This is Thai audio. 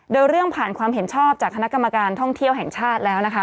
โดยเรื่องผ่านความเห็นชอบจากคณะกรรมการท่องเที่ยวแห่งชาติแล้วนะคะ